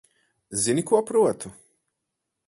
Zini, ko protu?